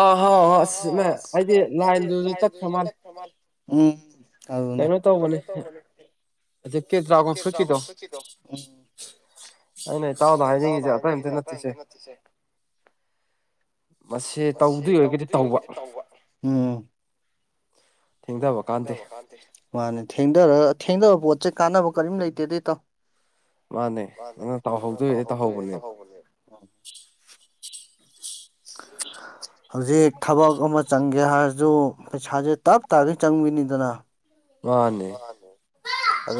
ꯑ ꯍ ꯍ ꯑꯩꯗꯤ ꯂꯥꯏꯟꯗꯨꯁꯨ ꯆꯠꯈ꯭ꯔ ꯃꯥꯜꯂꯦ ꯎꯝ ꯀꯩꯅꯣ ꯇꯧꯕꯅꯤ ꯑꯗꯨ ꯀꯦ꯭ꯔ ꯁꯨꯔꯁꯤꯗ ꯑꯩꯅꯇꯥꯎꯗ ꯍꯥꯏꯅꯤꯡꯉꯤꯁꯦ ꯑꯇꯝꯇ ꯅꯠꯇꯁꯦ ꯃꯁꯤ ꯇꯧꯗꯣꯏ ꯑꯣꯏꯔꯒꯗꯤ ꯇꯧꯕ ꯃꯥꯅꯦ ꯊꯔ ꯊꯦꯡꯊꯕ ꯄꯣꯠꯁꯦ ꯀꯥꯟꯅꯕ ꯀꯔꯤꯝ ꯂꯩꯇꯦꯗ ꯏꯇꯥꯎ ꯃꯥꯅꯦ ꯅꯅ ꯇꯧꯍꯧꯗꯣꯏꯗꯩ ꯇꯧꯍꯧꯕꯅꯦ [unintelligible] ꯍꯧꯖꯤꯛ ꯊꯕꯛ ꯑꯃ ꯆꯪꯒꯦ ꯍꯥꯏꯔꯁꯨ ꯄꯩꯁꯥꯁꯦ ꯇꯞ ꯇꯥꯗꯤ ꯆꯪꯉꯅꯤꯗꯅ ꯍ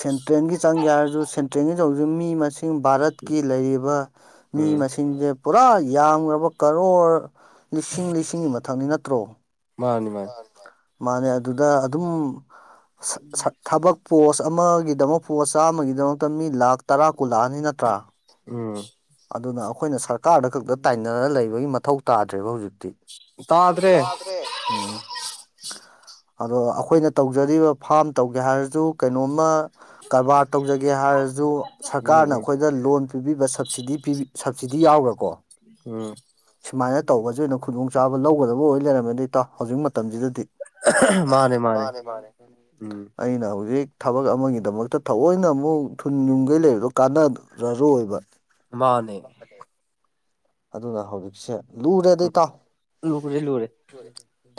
ꯁꯦꯟꯇ꯭ꯔꯦꯜꯒꯤ ꯆꯥꯡ ꯌꯥ ꯍꯥꯏꯔꯁꯨ ꯁꯦꯟꯇ꯭ꯔꯦꯜꯒꯤ ꯆꯧꯁꯨ ꯃꯤ ꯃꯁꯤꯡ ꯀꯛꯆꯤꯡ ꯚꯥꯔꯠꯀꯤ ꯂꯩꯔꯤꯕ ꯃꯤ ꯃꯁꯤꯡꯁꯦ ꯄꯨꯔꯥ ꯌꯥꯝꯈ꯭ꯔꯕ ꯀꯔꯣꯔ ꯂꯤꯁꯤꯡ ꯂꯤꯁꯤꯡꯒꯤ ꯃꯊꯛꯅꯤ ꯅꯠꯇ꯭ꯔꯣ ꯃꯥꯅꯤ ꯃꯥꯅꯦ ꯃꯥꯅꯦ ꯑꯗꯨꯗ ꯑꯗꯨꯝ ꯊꯕꯛ ꯄꯣꯁ ꯑꯃꯒꯤꯗꯃꯛ ꯄꯣꯁ ꯆꯥꯝꯃꯒꯤꯗꯃꯛꯇ ꯃꯤ ꯂꯥꯛ ꯇꯔꯥ ꯀꯨꯜꯂꯛꯑꯅꯤ ꯅꯠꯇ꯭ꯔꯥ ꯎꯝ ꯑꯩꯈꯣꯏꯅ ꯁꯔꯀꯥꯔꯗ ꯈꯛꯇ ꯇꯥꯏꯅꯔ ꯂꯩꯕꯒꯤ ꯃꯊꯧ ꯇꯥꯗ꯭ꯔꯦꯕ ꯍꯧꯖꯤꯛꯇꯤ ꯇꯥꯎꯗ꯭ꯔꯦ ꯑꯗꯣ ꯑꯩꯈꯣꯏꯅ ꯇꯧꯖꯔꯤꯕ ꯐꯥꯝ ꯇꯧꯒꯦ ꯍꯥꯏꯔꯁꯨ ꯀꯩꯅꯣꯝꯃ ꯀꯔꯕꯥꯔ ꯇꯧꯖꯒꯦ ꯍꯥꯏꯔꯁꯨ ꯁꯔꯀꯥꯔꯅ ꯑꯩꯈꯣꯏꯗ ꯂꯣꯟ ꯄꯤꯕꯤꯕ ꯁꯕꯁꯤꯗꯤ ꯄꯤꯕꯤ ꯁꯕꯁꯤꯗꯤ ꯌꯥꯎꯈ꯭ꯔꯕ ꯎꯝ ꯇꯧꯕꯁ ꯑꯣꯏꯅ ꯈꯨꯗꯣꯡꯆꯥꯕ ꯂꯧꯒꯗꯕ ꯑꯣꯏ ꯂꯩꯔꯝꯃꯦꯗꯤ ꯏꯇꯥꯎ ꯍꯧꯖꯤꯛ ꯃꯇꯝꯁꯤꯗꯗꯤ ꯑꯩꯅ ꯍꯧꯖꯤꯛ ꯊꯕꯛ ꯑꯃꯒꯤꯗꯃꯛꯇ ꯊꯑꯣꯏꯅ ꯑꯃꯨꯛ ꯊꯨꯟ ꯌꯨꯝꯒꯩ ꯂꯩꯕꯗꯣ ꯀꯥꯟꯅꯔꯔꯣꯏꯕ ꯃꯥꯅꯦ ꯑꯗꯨꯅ ꯍꯧꯖꯤꯛꯁꯦ ꯂꯨꯔꯦ ꯑꯗꯩ ꯇꯥꯎ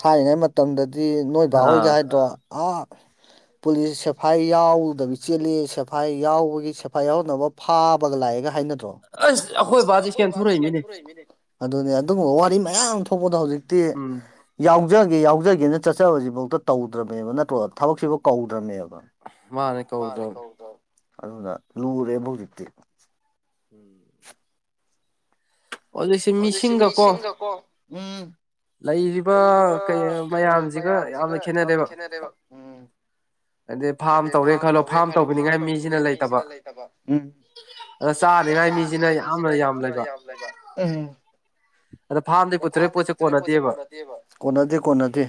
ꯊꯥꯏꯅꯉꯩ ꯃꯇꯝꯗꯗꯤ ꯅꯣꯏꯚꯕꯥ ꯍꯣꯏꯒ ꯍꯥꯏꯗ꯭ꯔꯣ ꯑꯥ ꯄꯨꯂꯤꯁ ꯁꯦꯐꯥꯏ ꯌꯥꯎꯗꯕꯤ ꯆꯦꯜꯂꯤ ꯁꯦꯐꯥꯏ ꯌꯥꯎꯕꯒꯤ ꯁꯦꯐꯥꯏ ꯌꯥꯎꯍꯟꯅꯅꯕ ꯐꯥꯕꯒ ꯂꯥꯛꯑꯦꯒ ꯍꯥꯏꯅ ꯑꯁ ꯑꯩꯈꯣꯏ ꯕꯥꯁ ꯀ ꯌꯥꯝ ꯊꯅꯛꯏ ꯃꯤꯅꯦ ꯑꯗꯨꯅꯦ ꯑꯗꯨꯒꯨꯝꯕ ꯋꯥꯔꯤ ꯃꯌꯥꯝ ꯊꯣꯛꯄꯗ ꯍꯧꯖꯤꯛꯇꯤ ꯌꯥꯎ ꯍꯧꯖꯒꯦ ꯌꯥꯎꯖꯒꯦꯅ ꯆꯠꯆꯕꯁꯤꯐꯥꯎꯗ ꯇꯧꯗ꯭ꯔꯕꯃꯦꯕ ꯅꯠꯇ꯭ꯔꯣ ꯊꯕꯛꯁꯤꯐꯥꯎ ꯀꯧꯗ꯭ꯔꯕꯃꯦꯕ ꯃꯥꯅꯦ ꯀꯧꯗ꯭ꯔꯣ ꯑꯗꯨꯅ ꯂꯨꯔꯦꯕ ꯍꯧꯖꯤꯛꯇꯤ ꯎꯝ ꯍꯧꯖꯤꯛꯁꯦ ꯃꯤꯁꯤꯡꯒꯀꯣ ꯎꯝ ꯂꯩꯔꯤꯕ ꯀꯩ ꯃꯌꯥꯝꯁꯤꯒ ꯌꯥꯝꯅ ꯈꯦꯠꯅꯔꯦꯕ ꯎ ꯍꯥꯏꯗꯤ ꯐꯥꯔꯝ ꯇꯧꯔꯦ ꯈꯜꯂꯣ ꯐꯥꯔꯝ ꯇꯧꯕꯤꯅꯤꯉꯥꯏ ꯃꯤꯁꯤꯅ ꯂꯩꯇꯕ ꯑꯦ ꯆꯥꯗ꯭ꯉꯥꯏ ꯃꯤꯁꯤꯅ ꯌꯥꯝꯅ ꯌꯥꯝ ꯂꯩꯕ ꯑ ꯐꯥ ꯄꯨꯊ ꯄꯣꯠꯁ ꯀꯣꯟꯅꯗꯦꯕ ꯀꯣꯟꯅꯗꯦ ꯀꯣꯟꯅꯗꯦ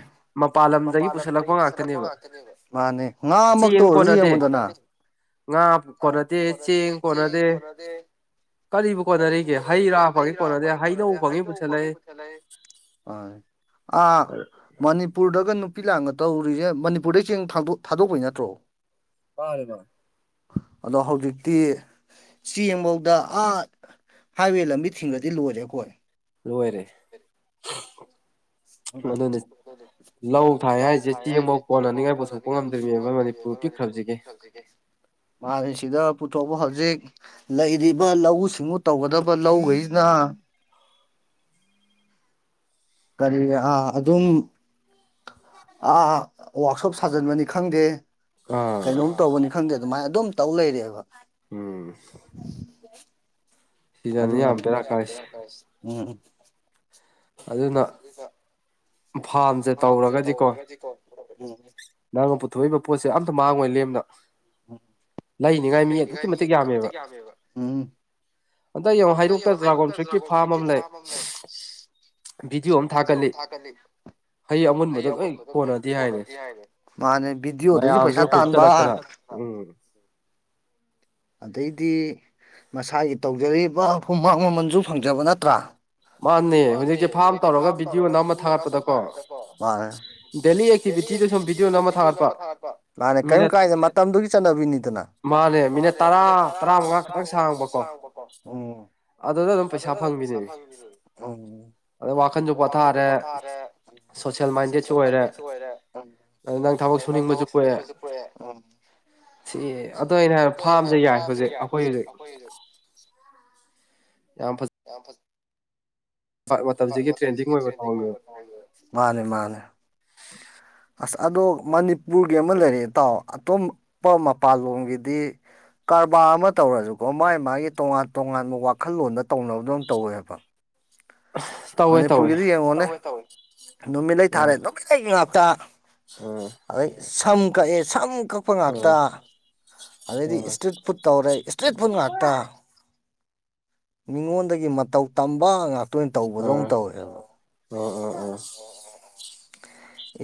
ꯃꯄꯥꯟ ꯂꯝꯗꯒꯤ ꯄꯨꯁꯜꯂꯛꯄ ꯉꯇꯅꯦ ꯃꯥꯅꯦ ꯉꯥꯃꯛꯇ ꯑꯣꯏꯔꯁꯨ ꯌꯦꯡꯉꯨꯗꯅ ꯉꯥ ꯀꯣꯅꯗꯦ ꯆꯦꯡ ꯀꯣꯅꯥꯗꯦ ꯀꯔꯤꯕꯨ ꯀꯣꯟꯅꯔꯤꯒꯦ ꯍꯩ ꯔꯥ ꯐꯪꯉ ꯀꯣꯟꯅꯗꯦ ꯍꯩꯅꯧ ꯄꯨꯜꯂꯑꯦ ꯑ ꯃꯅꯤꯄꯨꯔꯗꯒ ꯅꯨ ꯅꯨꯄꯤ ꯂꯥꯡꯒ ꯇꯧꯔꯤꯁꯦ ꯃꯅꯤꯄꯨꯔꯗꯩ ꯆꯦꯡꯥꯡꯗ ꯊꯥꯗꯣꯛꯄꯩ ꯅꯠꯇ꯭ꯔꯣ [inaudible] ꯑꯗꯣ ꯍꯧꯖꯤꯛꯇꯤ ꯆꯦꯡꯐꯧꯗ ꯑꯥ ꯍꯥꯏꯋꯦ ꯂꯝꯕꯤ ꯊꯤꯡꯉꯗꯤ ꯂꯣꯏꯔꯦ ꯑꯩꯈꯣꯏ ꯂꯣꯏꯔꯦ ꯂꯧ ꯈꯥꯏ ꯍꯥꯏꯁꯦ ꯆꯦꯡ ꯑꯃ ꯀꯣꯅꯅꯤꯡꯉꯥꯏ ꯄꯣꯠꯁꯨꯣꯛꯄ ꯉꯝꯗꯅꯤ ꯃꯥ ꯁꯤꯗ ꯄꯨꯊꯣꯛꯄ ꯍꯧ ꯍꯧꯖꯤꯛ ꯂꯩꯔꯤꯕ ꯂꯧꯎ ꯁꯤꯡꯎ ꯇꯧꯒꯗꯕ ꯂꯧꯈꯩꯁꯤꯅ [inaudible] ꯀꯔꯤ ꯑꯥ ꯑꯗꯨꯝ ꯀ [inaudible] ꯋꯥꯛꯁꯣꯞ ꯁꯥꯖꯟꯕꯅꯤ ꯈꯪꯗꯦ ꯀꯩꯅꯣꯝ ꯇꯧꯕꯅꯤ ꯈꯪꯗꯦ ꯑꯗꯨꯃꯥꯏꯅ ꯑꯗꯨꯝ ꯇꯧ ꯂꯩꯔꯦꯕ ꯎꯝ ꯑꯗꯨ ꯎꯝ ꯑꯗꯨꯅ ꯐꯥꯝꯁꯦ ꯇꯧꯔꯒꯗꯤꯀꯣ ꯎꯝ [inaudible] ꯎ ꯂꯩꯅꯤꯡꯉꯥꯏ ꯃꯤ ꯑꯗꯨꯛꯀꯤ ꯃꯇꯤꯛ ꯌꯥꯝꯃꯦꯕ ꯎ ꯑ ꯌꯦꯡꯉ ꯍꯥꯏꯔꯣꯛꯇ ꯗꯖ꯭ꯔꯥꯒꯣꯟ ꯐ꯭ꯔꯤꯠꯀꯤ ꯐꯥꯝ ꯑꯃꯅꯦ ꯚꯤꯗꯤꯑꯣ ꯑꯃ ꯊꯥꯒꯠꯂꯤ ꯍꯩ ꯑꯃꯨꯟꯕꯗ ꯂꯣꯏ ꯀꯣꯟꯅꯗꯦ ꯍꯥꯏꯅ ꯃꯌꯥꯝꯖꯦ ꯈꯨꯨꯞ ꯆ ꯂꯛꯀꯂ ꯎꯝ ꯑꯗꯩꯗꯤ ꯃꯁꯥꯒꯤ ꯇꯧꯖꯔꯤꯕ ꯍꯨꯃꯥꯡ ꯃꯃꯜꯁꯨ ꯐꯪꯖꯕ ꯅꯠꯇ꯭ꯔꯥ ꯃꯥꯅꯦ ꯍꯧꯖꯤꯛꯇꯁꯤ ꯐꯥꯝ ꯇꯧꯔꯒ ꯚꯤꯗꯤꯑꯣꯅ ꯑꯃ ꯊꯥꯒꯠꯄꯗꯀꯣ ꯗꯦꯂꯤ ꯑꯦꯛꯇꯤꯚ ꯑꯦꯚꯤ ꯁꯚꯑꯣ ꯊꯦ ꯀꯔꯤꯝ ꯀꯥꯏꯗ ꯃꯇꯝꯗꯨꯒꯤ ꯆꯠꯅꯕꯤꯅꯤꯗꯅ ꯃꯥꯅꯦ ꯃꯤꯅꯠ ꯇꯔꯥ ꯇꯔꯥ ꯃꯉꯥ ꯈꯔ ꯁꯥꯡꯕꯀꯣ ꯑꯗꯨꯗ ꯑꯗꯨꯝ ꯄꯩꯁꯥ ꯐꯪꯕꯤꯅꯦꯅꯦ ꯍꯣꯏ ꯋꯥꯈꯜꯁꯨ ꯄꯣꯊꯥꯔꯦ ꯁꯣꯁꯦꯜ ꯃꯥꯏꯟꯗꯦꯠꯁꯨ ꯑꯣꯏꯔꯦ ꯑꯗꯨ ꯅꯪ ꯊꯕꯛ ꯁꯨꯅꯤꯡꯕꯁꯨ ꯄꯨꯔꯛꯑꯦ ꯑ ꯁꯤ ꯑꯗꯨ ꯑꯩꯅ ꯍꯥꯏ ꯐꯥꯝꯁꯦ ꯌꯥꯏ ꯍꯧꯖꯤꯛ ꯑꯩꯈꯣꯏ ꯍꯧꯖꯤꯛ ꯌꯥꯝ ꯐꯖꯩ ꯋꯥꯄꯁ ꯃꯥꯅꯦ ꯃꯥꯅꯦ ꯑ ꯑꯗꯣ ꯃꯅꯤꯄꯨꯔꯒꯤ ꯑꯃ ꯂꯩꯔꯛꯑꯦ ꯇꯥꯎ ꯑꯇꯣꯞꯄ ꯃꯄꯥꯟꯂꯣꯝꯒꯤꯗꯤ ꯀꯔꯕꯥꯔ ꯑꯃ ꯇꯧꯔꯁꯨꯀꯣ ꯃꯥꯒꯤ ꯃꯥꯒꯤ ꯇꯣꯉꯥꯟ ꯇꯣꯉꯥꯟꯕ ꯋꯥꯈꯜꯂꯣꯟꯗ ꯇꯧꯅꯕꯗꯣ ꯇꯧꯋꯦ ꯍꯥꯏꯕ ꯃꯅꯤꯄꯨꯔꯒꯤꯗꯤ ꯌꯦꯡꯉꯣꯅꯦꯦ ꯇꯧꯋꯤ ꯅꯨꯃꯤꯠꯂꯩ ꯊꯥꯔꯦ ꯅꯨꯃꯤꯠꯂꯩ ꯉꯥꯛꯇ ꯑꯗꯩ ꯁꯝ ꯀꯛꯑꯦ ꯁꯝ ꯑꯀꯛꯄ ꯉꯥꯛꯇ ꯑꯗꯩꯗꯤ ꯏꯁꯇ꯭ꯔꯤꯠ ꯐꯨꯠ ꯇꯧꯔꯦ ꯏꯁꯇ꯭ꯔꯤꯠ ꯐꯨꯠ ꯉꯥꯛꯇ ꯃꯤꯉꯣꯟꯗꯒꯤ ꯃꯇꯧ ꯇꯝꯕ ꯉꯥꯛꯇ ꯑꯥ ꯑ ꯑ ꯑ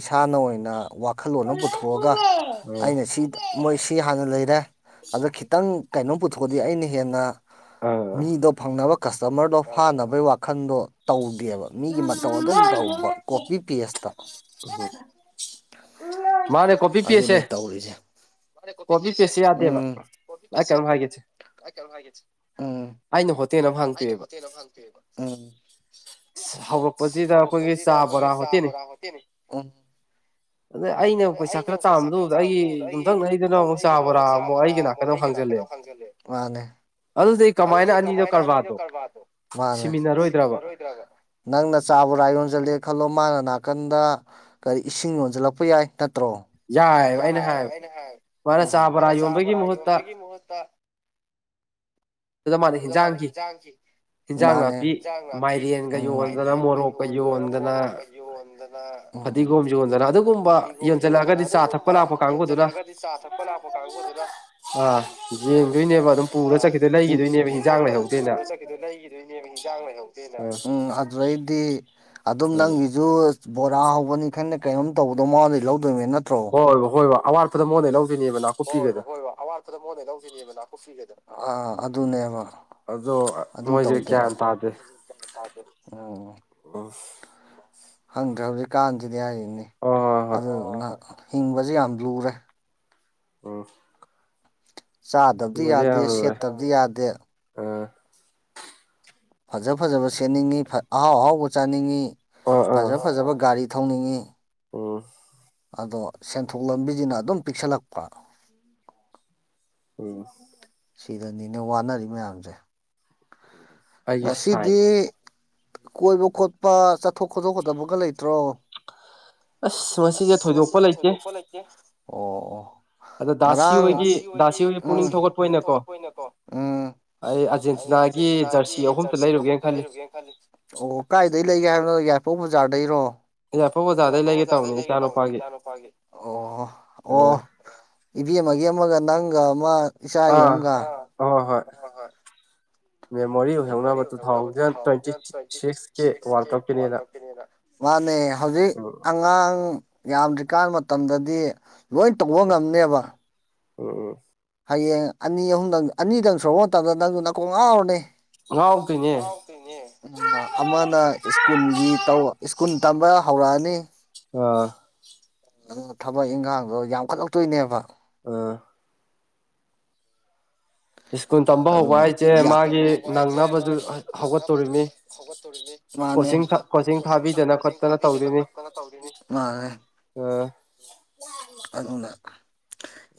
ꯏꯁꯥꯅ ꯑꯣꯏꯅ ꯋꯥꯈꯜꯂꯣꯟ ꯑꯃ ꯄꯨꯊꯣꯛꯑꯒ ꯑꯩꯅ ꯁꯤ ꯃꯣꯏ ꯁꯤ ꯍꯥꯟꯅ ꯂꯩꯔꯦ ꯑꯗ ꯈꯤꯇꯪ ꯀꯩꯅꯣꯝ ꯄꯨꯊꯣꯛꯑꯗꯤ ꯑꯩꯅ ꯍꯦꯟꯅ ꯃꯤꯗꯣ ꯐꯪꯅꯕ ꯀꯁꯇꯃꯔꯗꯣ ꯐꯥꯅꯕꯩ ꯋꯥꯈꯜꯗꯣ ꯇꯧ ꯗꯕ ꯃꯤꯒꯤ ꯃꯇꯧ ꯑꯗꯨꯝ ꯇꯧꯕ ꯀꯣꯄꯤ ꯄꯦꯁꯇ ꯃꯥꯅꯦ ꯀꯕꯤ ꯄꯤ ꯑꯁꯦ ꯀꯣꯕꯤ ꯄꯠꯁꯤ ꯌꯥꯗꯦꯕ ꯑꯩ ꯀꯩꯅꯣꯝ ꯍꯥꯏꯒꯦꯁꯦ ꯔ ꯍꯥꯏꯦ ꯑꯩꯅ ꯍꯣꯇꯦꯜ ꯑꯃ ꯍꯥꯡꯇꯣꯛꯑꯦꯕ ꯍꯧꯔꯛꯄꯁꯤꯗ ꯑꯩꯈꯣꯏꯒꯤ ꯆꯥ ꯕꯣꯔꯥ ꯍꯣꯇꯤꯅꯤ ꯎ ꯑꯗ ꯑꯩꯅ ꯄꯩꯁꯥ ꯈꯔ ꯆꯥꯝꯕꯗꯨ ꯑꯩꯒꯤ ꯌꯨꯝꯊꯪꯅ ꯑꯩꯗꯅ ꯑꯃꯨꯛ ꯆꯥꯕ꯭ꯔꯥ ꯑꯃꯨꯛ ꯑꯩꯒꯤ ꯅꯥꯀꯗ ꯑꯃꯨꯛꯖꯦ ꯅ ꯐꯪꯖꯦ ꯃꯥꯅꯦ ꯑꯗꯨꯗꯤ ꯀꯃꯥꯏꯅ ꯑꯅꯤꯗꯣ ꯀꯔꯕꯥꯔꯗꯣ ꯁꯤꯃꯤꯟꯅꯔꯣꯏꯗ꯭ꯔꯒꯅ ꯅꯪꯅ ꯆꯥ ꯔꯥ ꯌꯣꯟꯁꯤꯜꯂꯦ ꯈꯜꯂꯣ ꯃꯥꯅ ꯅꯥꯀꯟꯗ ꯀꯔꯤ ꯏꯁꯤꯡ ꯌꯣꯟꯁꯤꯜꯂꯛꯄ ꯌꯥꯏ ꯅꯠꯇ꯭ꯔꯣ ꯌꯥꯏ ꯑꯩꯅ ꯍꯥꯏ ꯚꯔ ꯆ ꯕꯣꯔꯥ ꯌꯣꯟꯕꯒꯤ ꯃꯍꯨꯠꯇ ꯑ ꯑꯗꯨꯗ ꯃꯥꯜꯂ ꯍꯦꯟꯖꯥꯡꯒꯤ ꯏꯟꯖꯥꯡ ꯅꯥꯄꯤ ꯃꯥꯏꯔꯦꯟꯒ ꯌꯣꯟꯗꯅ ꯃꯣꯔꯣꯛꯀ ꯌꯣꯟꯗꯅ ꯐꯗꯤꯒꯣꯝꯁꯨ ꯌꯣꯟꯗꯅ ꯑꯗꯨꯒꯨꯝꯕ ꯌꯟꯁꯤꯜꯂꯛꯑꯒꯗꯤ ꯆꯥ ꯊꯛꯄ ꯂꯥꯛꯄ ꯀꯥꯡꯕꯨꯗꯨꯅ ꯑꯥ ꯌꯦꯡꯗꯣꯏꯅꯦꯕ ꯑꯗꯨꯝ ꯄꯨꯔꯒ ꯆꯠ ꯌꯦꯡꯗꯣꯏꯅꯦꯕ ꯑꯗꯨꯝ ꯄꯨꯔ ꯆꯠꯈꯤꯗ ꯂꯩꯈꯤꯗꯣꯏꯅꯦꯕ ꯏꯟꯖꯥꯡ ꯂꯩꯍꯧꯗꯦꯅ ꯎꯝ ꯑꯗꯨꯗꯩꯗꯤ ꯑꯗꯨꯝ ꯅꯪꯒꯤꯁꯨ ꯕꯣꯔꯥ ꯍꯧꯕꯅꯤ ꯈꯟꯅ ꯀꯩꯅꯣꯝ ꯇꯧꯕꯗꯣ ꯃꯉꯣꯟꯗ ꯂꯧ ꯑꯗꯨꯃꯤ ꯅꯠꯇ꯭ꯔꯣ ꯑꯋꯥꯔ ꯄꯗ ꯃꯣ ꯅꯂ ꯍꯣꯏꯕ ꯍꯣꯏꯕ ꯑꯋꯥꯠꯄꯗ ꯃꯣꯏꯣꯟꯗ ꯂꯧꯁꯤꯣꯏꯅꯦꯕ ꯅꯥꯀꯨꯞꯐꯒꯗ ꯑ ꯑꯗꯨꯅꯦꯕ ꯑꯗꯣ ꯃꯣꯏꯁꯦ ꯀꯌꯥ ꯇꯥꯗꯦ ꯎꯝ ꯍꯪꯗ꯭ꯔꯦ ꯍꯧꯖꯤꯛꯀꯥꯟꯁꯤꯗꯤ ꯍꯥꯏꯔꯤꯅꯤ ꯑꯗꯨꯅ ꯍꯤꯡꯕꯁ ꯌꯥꯝ ꯂꯨꯔꯦ ꯎ ꯆꯥꯗꯕꯗꯤ ꯌꯥꯗꯦ ꯁꯦꯠꯇꯕꯗꯤ ꯌꯥꯗꯦ ꯐꯖ ꯐꯖꯕ ꯁꯦꯠꯅꯤꯡꯉꯤ ꯑꯍꯥꯎ ꯑꯍꯥꯎꯕ ꯆꯥꯅꯤꯡꯉꯤ ꯐꯖ ꯐꯖꯕ ꯒꯥꯔꯤ ꯊꯧꯧꯅꯤꯡꯉꯤ ꯑꯣ ꯑꯗꯣ ꯁꯦꯟꯊꯣꯛ ꯂꯝꯕꯤꯁꯤꯅ ꯑꯗꯨꯝ ꯄꯤꯛꯁꯜꯂꯛꯄ ꯎꯝ ꯐꯤꯗꯅꯤꯅ ꯋꯥꯅꯔꯤ ꯃꯌꯥꯝꯁꯦ ꯉꯁꯤꯗꯤ ꯀꯣꯏꯕ ꯈꯣꯠꯄ ꯆꯠꯊꯣꯛ ꯈꯣꯠꯇꯣꯛꯀꯗꯕꯒ ꯂꯩꯇꯦ ꯭ꯔꯣ ꯑꯁ ꯃꯁꯤꯁꯦ ꯊꯣꯏꯗꯣꯛꯄ ꯂꯩꯇꯦ ꯑꯣ ꯑꯣ ꯉꯔꯥꯡ ꯉꯗꯤ ꯉ ꯄꯨꯛꯅꯤꯡ ꯊꯧꯒꯠꯄ ꯑꯣꯏꯅ ꯅꯠꯇ꯭ꯔꯣ ꯑꯩ ꯑꯔꯖꯦꯟꯇꯤꯅꯥꯒꯤ ꯒꯤ ꯖꯔꯁꯤ ꯖꯔꯁꯤ ꯑꯍꯨꯝ ꯂꯩꯔꯨꯒꯦꯅ ꯈꯜꯂꯤ ꯑꯣ ꯀꯗꯥꯥꯏꯗꯩ ꯂꯩꯒꯦ ꯍꯥꯏꯕꯅꯣ ꯌꯥꯏꯄꯣꯛ ꯕꯖꯥꯔꯗꯩꯔꯣ [unintelligible] ꯐ ꯑꯣꯖꯥꯗꯒꯦ ꯇ ꯏꯆꯥ ꯅꯨꯨꯄꯥꯒꯤ ꯑꯣ ꯑꯣ ꯏꯕꯤ ꯑꯃꯒꯤ ꯒ ꯅꯪꯒ ꯃꯥ ꯑꯥ ꯑꯣ ꯍꯣꯏ ꯃꯦꯃꯣꯔꯤ ꯑꯣꯏꯍꯣꯛꯅꯕ ꯇꯨ ꯊꯥꯎꯖꯟ ꯇ꯭ꯋꯦꯟꯇꯤ ꯁꯤꯛꯁꯀꯤ ꯋꯥꯔꯜ ꯀꯞꯀꯤꯅꯦꯅ ꯃꯥꯅꯦ ꯍꯧꯖꯤꯛ ꯑꯉꯥꯡ ꯌꯥꯝꯗ꯭ꯔꯤꯀꯥꯟ ꯃꯇꯝꯗꯗꯤ ꯂꯣꯏ ꯇꯧꯕ ꯉꯝꯅꯦꯕ ꯎꯝ ꯎꯝ ꯍꯌꯦꯡ ꯑꯅꯤ ꯑꯍꯨꯝꯗꯪ ꯑꯅꯤꯗꯪ ꯁꯨꯔꯛꯄ ꯃꯇꯝꯗ ꯅꯪꯁꯨ ꯅꯥꯀꯣꯡ ꯉꯥꯎꯔꯅꯦ ꯑꯃꯅ ꯁꯀꯨꯜꯒꯤ ꯇ ꯁꯀꯨꯜ ꯇꯝꯕ ꯍꯧꯔꯛꯑꯅꯤ ꯑ ꯊꯕꯛ ꯏꯪꯈꯥꯡꯗꯣ ꯌꯥꯝꯈꯠꯂꯛꯇꯣꯏꯅꯦꯕ ꯑ ꯁꯀꯨꯜ ꯇꯝꯕ ꯍꯧꯕ ꯍꯥꯏꯁꯦ ꯃꯥꯒꯤ ꯅꯪꯅꯕꯁꯨ ꯍꯧꯒꯠꯇꯣꯔꯤꯅꯤ ꯃꯥꯅꯦ ꯀꯣꯆꯤꯡ ꯀꯣꯆꯤꯡ ꯊꯥꯕꯤꯗꯅ ꯈꯣꯠꯇꯅ ꯇꯧꯔꯤꯅꯤ ꯃꯥ ꯑ ꯑꯗꯨꯅ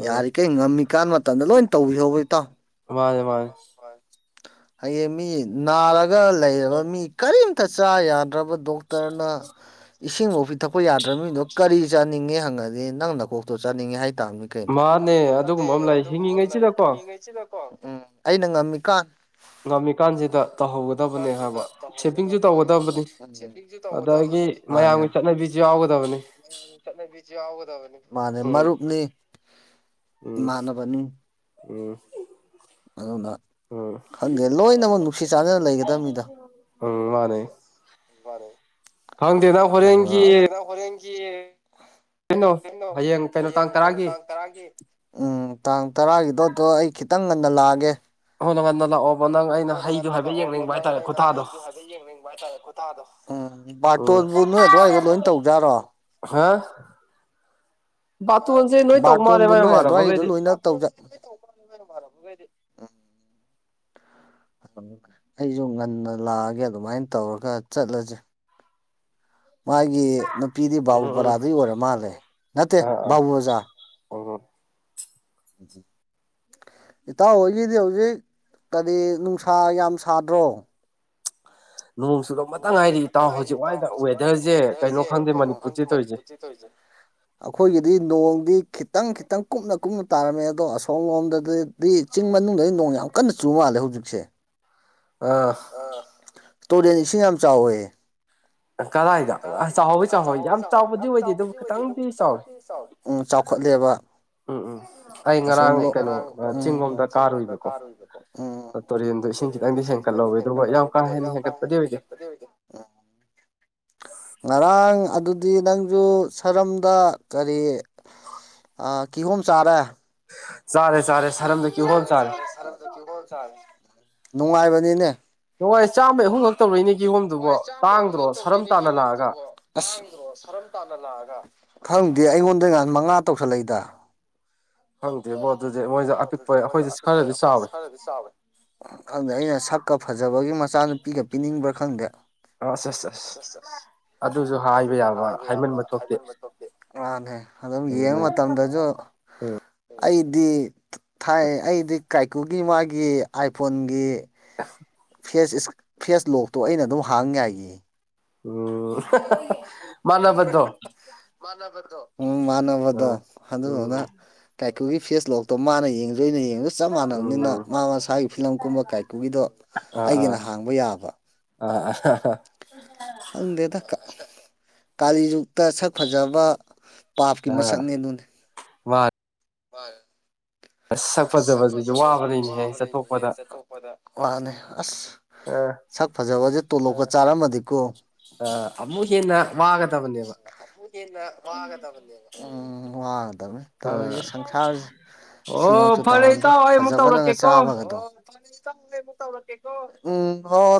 ꯌꯥꯔꯤꯈꯩ ꯉꯝꯃꯤꯀꯥꯟ ꯃꯇꯝꯗ ꯂꯣꯏ ꯇꯧꯕꯤꯍꯧꯕ ꯏꯇꯥꯎ ꯃꯥꯅꯦꯦ ꯃꯥꯅꯦꯦ ꯍꯌꯦꯡ ꯃꯤ ꯅꯥꯔꯒ ꯂꯩꯔꯕ ꯃꯤ ꯀꯔꯤꯝꯇ ꯆꯥ ꯌꯥꯗ꯭ꯔꯕ ꯗꯣꯛꯇꯔꯅ ꯏꯁꯤꯡꯐꯥꯎ ꯄꯤꯊꯛꯄ ꯌꯥꯗ꯭ꯔꯕ ꯃꯤꯗꯣ ꯀꯔꯤ ꯆꯥꯅꯤꯡꯉꯦ ꯍꯪꯉꯗꯤ ꯅꯪ ꯅꯀꯣꯛꯇꯣ ꯆꯥꯅꯤꯡꯉꯦ ꯍꯥꯏ ꯅꯤ ꯀꯩꯅꯣ ꯑꯗꯨꯒꯨꯝꯕ ꯑꯃ ꯂꯩ ꯍꯤꯡꯉꯉꯩꯁꯤꯗ ꯎꯝ ꯑꯩꯅ ꯉꯝꯃꯤꯀꯥꯟ ꯅꯝꯃꯤ ꯀꯥꯟꯁꯤꯗ ꯇꯧꯍꯧꯒꯗꯕꯅꯦ ꯍꯥꯏꯕ ꯁꯦꯞꯄꯤꯡꯁꯨ ꯇꯧꯒꯗꯕꯅꯤ ꯑꯗꯒꯤ ꯃꯌꯥꯝꯒꯤ ꯆꯠꯅꯕꯤꯁ ꯆꯠꯅꯕꯤ ꯌꯥꯎꯒꯗꯕꯅꯤ ꯃꯥꯅꯦ ꯃꯔꯨꯞꯅꯤ ꯎꯝ ꯎꯝ ꯑꯗꯨꯅ ꯈꯪꯗꯦ ꯂꯣꯏꯅꯃꯛ ꯅꯨꯡꯁꯤ ꯆꯥꯟꯅꯅ ꯂꯩꯒꯗꯕꯅꯤꯗ ꯔꯦ ꯈꯪꯗꯦꯗ ꯍꯣꯔꯦꯟꯒꯤ ꯑꯩ ꯀꯩꯅꯣ ꯍꯌꯦꯡ ꯀꯩꯅꯣ ꯇꯥꯡ ꯇꯔꯥꯒꯤ ꯇꯥꯡ ꯇꯔꯥꯒꯤꯗꯣꯠꯇꯣ ꯑꯩ ꯈꯤꯇꯪ ꯉꯟꯅ ꯂꯥꯛꯑꯒꯦ [inaudible] ꯍ ꯅꯉꯗ ꯂꯥꯛꯑꯣꯕ ꯅꯪ ꯑꯩꯅ ꯍꯩꯗꯣ ꯍꯥꯏꯐꯦꯠ ꯌꯦꯡꯅꯤꯡꯕ ꯍꯥꯏꯇꯥꯔꯦ ꯈꯨꯇꯥꯗꯣ ꯕꯨ ꯅꯣꯏ ꯑꯗꯨꯋꯥꯏꯗ ꯂꯣꯏꯅ ꯇꯧꯖꯥꯔꯣ ꯍꯥ ꯕꯥꯇꯣꯟꯁꯦ ꯅꯣꯏ ꯇꯧ ꯃꯥꯜꯂꯦ ꯃꯌꯥꯝ ꯃꯥꯟꯅꯕꯈꯩꯗꯤ ꯑꯩꯁꯨ ꯉꯟꯅ ꯂꯥꯛꯑꯒꯦ ꯑꯗꯨꯃꯥꯏꯅ ꯇꯧꯔꯒ ꯆꯠꯂꯁꯦ ꯃꯥꯒꯤ ꯅꯨꯄꯤꯗꯤ ꯕꯥꯕꯨ ꯄꯔꯥꯗꯩ ꯑꯣꯏꯔ ꯃꯥꯜꯂꯦ ꯅꯠꯇꯦ ꯕꯥꯕꯨ ꯑꯣꯖꯥ ꯑꯣ ꯎ ꯏꯇꯥꯎꯍꯣꯏꯒꯤꯗꯤ ꯍꯧꯖꯤꯛ ꯀꯔꯤ ꯅꯨꯡꯁꯥ ꯌꯥꯝ ꯁꯥꯗ꯭ꯔꯣ ꯅꯣꯡꯁꯨ ꯂꯧ ꯈꯇꯪ ꯉꯥꯏꯔꯤ ꯏꯇꯥꯎ ꯍꯧꯖꯤꯛ ꯋꯥꯏꯒ ꯋꯦꯗꯔꯁꯦ ꯀꯩꯅꯣ ꯈꯪꯗꯦ ꯃꯅꯤꯄꯨꯔ ꯆ ꯇꯧꯔꯤꯁꯦ ꯑꯩꯈꯣꯏꯒꯤꯗꯤ ꯅꯣꯡꯗꯤ ꯈꯤꯇꯪ ꯈꯤꯇꯪ ꯀꯨꯞꯅ ꯀꯨꯞꯅ ꯇꯥꯔꯝꯃꯦ ꯑꯗꯣ ꯑꯁꯣꯝ ꯂꯣꯝꯗꯗꯤ ꯑꯗꯩ ꯆꯤꯡ ꯃꯅꯨꯡꯗ ꯅꯣꯡ ꯌꯥꯝ ꯀꯟꯅ ꯆꯨ ꯃꯥꯜꯂꯦ ꯍꯧꯖꯤꯛꯁꯦ ꯑꯥ ꯇꯨꯔꯦꯟ ꯏꯁꯤꯡ ꯌꯥꯝ ꯆꯥꯎꯋꯦ [inaudible] ꯀꯗꯥꯏꯗ ꯑ ꯆꯥꯎꯍꯧꯕꯤ ꯆꯥꯎꯍꯦ ꯌꯥꯝ ꯆꯥꯎꯕꯗꯤ ꯑꯣꯏꯗꯦ ꯑꯗꯨꯕꯨ ꯈꯤꯇꯪꯗꯤ ꯆꯥꯎꯋꯤ ꯎꯝ ꯎꯝ ꯑꯩ ꯉꯔꯥꯡ ꯀꯩꯅꯣ ꯆꯤꯡ ꯂꯣꯝꯗ ꯀꯥꯔꯨꯏꯕꯀꯣ ꯇꯔꯤꯁ ꯏ ꯈꯤꯇꯪꯗꯤ ꯍ ꯅꯪꯗꯤ ꯍꯦꯟꯀꯠꯍꯧꯋꯦꯗ꯭ꯔꯕ ꯌꯥꯝ ꯀꯥ ꯍꯦꯟꯅ ꯍꯦꯟꯀꯠꯄꯗꯤ ꯑꯣꯏꯗꯦ ꯉꯔꯥꯡ ꯑꯗꯨ ꯑꯗꯨꯗꯤ ꯅꯪꯁꯨ ꯁꯔꯝꯗ ꯀꯔꯤ ꯀꯤꯍꯣꯝ ꯆꯥꯔꯦ ꯆꯔꯦ ꯆꯔꯦ ꯆꯥꯔꯦ ꯆꯥꯔꯦ ꯁꯔꯝꯗ ꯀꯤꯍꯣꯜ ꯆꯥ ꯅꯨꯡꯉꯥꯏꯕꯅꯤꯅꯦ ꯍꯣꯏ ꯆꯥꯝꯃꯩ ꯑꯍꯨꯝꯈꯛ ꯍꯣꯏ ꯆꯥꯝꯃꯩ ꯑꯍꯨꯝꯈꯛ ꯇꯧꯔꯛꯢꯅꯦ ꯀꯤꯍꯣꯝꯗꯨꯕꯣ ꯍꯥꯡꯗ꯭ꯔꯣ ꯁꯔꯝ ꯇꯥꯅ ꯂꯥꯛꯑꯒ ꯈꯪꯗꯦ ꯑꯩꯉꯣꯟꯗ ꯉꯍꯥꯟ ꯃꯉꯥ ꯇꯧꯁꯜꯂꯛꯏꯗ ꯍꯪꯗꯦꯕꯣ ꯄꯣꯠꯇꯨꯗꯤ ꯃꯣꯏꯗ ꯑꯄꯤꯛꯄ ꯑꯩꯈꯣꯏꯗꯁꯨ ꯈꯔꯗꯤ ꯆꯥꯎꯋꯦ ꯈꯪꯗ ꯑꯩꯅ ꯁꯛꯀ ꯐꯖꯕꯒꯤ ꯃꯆꯥ ꯅꯨꯄꯤꯒ ꯄꯤꯅꯤꯡꯕ꯭ꯔꯥ ꯈꯪꯗꯦ ꯑ ꯁ ꯑꯗꯨꯁꯨ ꯍꯥꯏꯕ ꯌꯥꯕ ꯍꯥꯏꯃꯟꯕ ꯊꯣꯛꯇꯦ ꯎꯝ ꯑꯩꯗꯤ ꯊꯥꯏ ꯑꯩꯗꯤ ꯀꯥꯏꯀꯨꯒꯤ ꯃꯥꯒꯤ ꯑꯥꯏꯐꯣꯟꯒꯤ ꯑ ꯐꯦꯁꯂꯣꯛꯇꯣ ꯑꯩꯅ ꯑꯗꯨꯝ ꯍꯥꯡꯌꯥꯢꯑꯦ ꯎꯝ ꯃꯥꯅꯕꯗꯣ ꯎ ꯃꯥꯟꯅꯕꯗꯣ ꯑꯗꯨꯗꯨꯅ ꯀꯥꯏꯀꯨꯒꯤ ꯐꯦꯁꯂꯣꯛꯇꯣ ꯃꯥꯅ ꯌꯦꯡ ꯑꯗꯨ ꯑꯩꯅ ꯌꯦꯡꯗ ꯆꯞ ꯃꯥꯟꯅꯕꯅꯤꯅ ꯃꯥ ꯃꯁꯥꯒꯤ ꯐꯤꯂꯝꯒꯨꯝꯕ ꯀꯥꯏꯀꯨꯒꯤꯗꯣ ꯑꯩꯒꯤꯅ ꯍꯥꯡꯕ ꯌꯥꯕ ꯑ ꯈꯪꯗꯦꯗ ꯊ ꯀ ꯀꯂꯤꯖꯨꯛ ꯇ ꯁꯛ ꯐꯖꯕ ꯄꯥꯞꯀꯤ ꯃꯁꯛꯅꯦ ꯑꯗꯨꯅꯤ ꯃꯟꯅꯦ ꯑꯁ ꯁꯛꯄ ꯆꯠꯄꯕꯁꯤꯁꯨ ꯋꯥꯕꯅꯤꯅꯦ ꯑ ꯆꯠꯊꯣꯛꯄꯗ ꯋꯥꯅꯦ ꯑꯁ ꯁꯛ ꯐꯖꯕꯁꯦ ꯇꯣꯂꯣꯞꯄ ꯆꯥꯔꯝꯃꯗꯤꯀꯣ ꯑꯃꯨꯒꯦꯅ ꯋꯥ ꯎꯝ ꯋꯥꯒꯗꯕꯅꯤ ꯇ ꯁꯪꯁꯔꯁꯤ ꯁꯤꯃꯁꯨ ꯇꯧꯍꯟꯗ꯭ꯔꯦ ꯐꯖꯕꯅꯪꯒ ꯆꯥꯕꯒꯗꯣ ꯉꯛꯇꯪ ꯂꯩꯔ ꯑꯃꯨꯛ ꯇꯧꯔꯛꯀꯦꯀꫭ ꯎꯝ ꯍꫭ ꯍꫭ